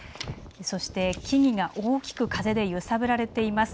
そして、木々が大きく風で揺さぶられています。